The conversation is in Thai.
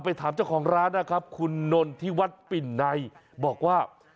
ถามเจ้าของร้านนะครับคุณนนทิวัฒน์ปิ่นในบอกว่า